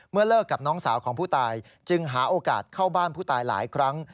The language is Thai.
เลิกกับน้องสาวของผู้ตายจึงหาโอกาสเข้าบ้านผู้ตายหลายครั้ง